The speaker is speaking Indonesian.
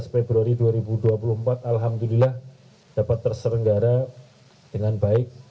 tujuh belas februari dua ribu dua puluh empat alhamdulillah dapat terselenggara dengan baik